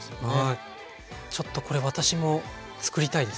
ちょっとこれ私もつくりたいです。